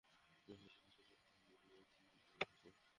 রিপোর্টারটা খুন হওয়ার পরে ম্যারোনি চিন্তিত হয়ে পড়ে।